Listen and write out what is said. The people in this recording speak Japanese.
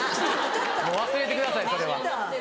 もう忘れてくださいそれは。